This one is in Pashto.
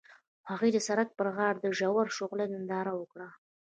هغوی د سړک پر غاړه د ژور شعله ننداره وکړه.